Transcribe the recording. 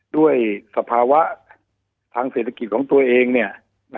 ด้วยสภาวะทางเศรษฐกิจของตัวเองเนี่ย